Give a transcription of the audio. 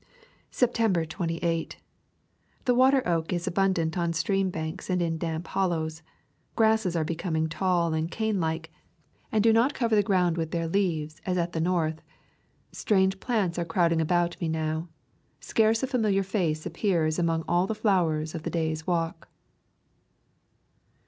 September 28. The water oak is abundant on stream banks and in damp hollows. Grasses are becoming tall and cane like and do not [ 53 ] A Thousand Mile Walk cover the ground with their leaves as at the North. Strange plants are crowding about me now. Scarce a familiar face appears among all the flowers of the day's walk.